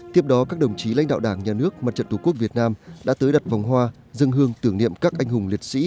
tiếp đó các đồng chí lãnh đạo đảng nhà nước mặt trận tổ quốc việt nam đã tới đặt vòng hoa dân hương tưởng niệm các anh hùng liệt sĩ